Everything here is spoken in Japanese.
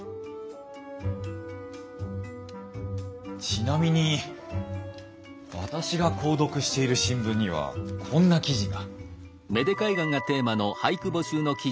ちなみに私が購読している新聞にはこんな記事が。